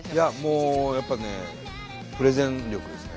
もうやっぱねプレゼン力ですね。